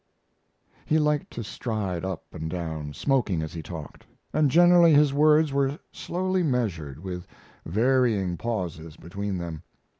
He liked to stride up and down, smoking as he talked, and generally his words were slowly measured, with varying pauses between them.